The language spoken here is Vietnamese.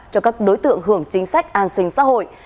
cho các đối tượng hưởng chính sách an sinh xã hội